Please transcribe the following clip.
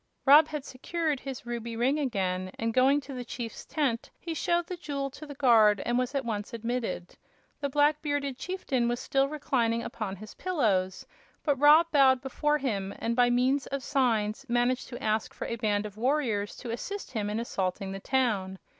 Rob had secured his ruby ring again, and going to the chief's tent he showed the jewel to the guard and was at once admitted. The black bearded chieftain was still reclining upon his pillows, but Rob bowed before him, and by means of signs managed to ask for a band of warriors to assist him in assaulting the town.